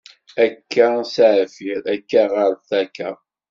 Akka s aɛfir, akka ɣeṛ takka.